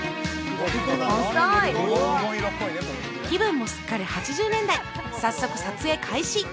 気分もすっかり８０年代早速撮影開始！